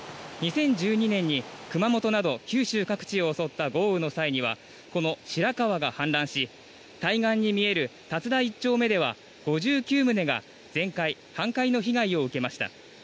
２０１２年に熊本など九州各地を襲った豪雨の際にはこの白川が氾濫し対岸に見える龍田１丁目では５９棟が全壊・半壊の被害を受けました。